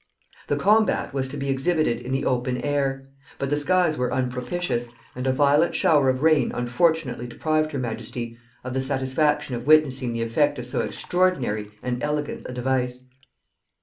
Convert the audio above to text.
The combat was to be exhibited in the open air; but the skies were unpropitious, and a violent shower of rain unfortunately deprived her majesty of the satisfaction of witnessing the effect of so extraordinary and elegant a device.